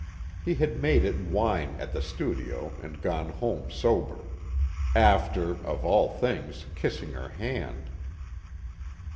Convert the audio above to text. He had made it wine, at the studio, and gone home sober. After, of all things, kissing her hand.